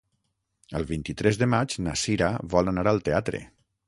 El vint-i-tres de maig na Cira vol anar al teatre.